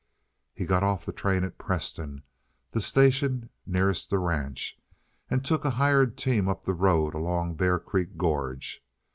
He got off the train at Preston, the station nearest the ranch, and took a hired team up the road along Bear Creek Gorge.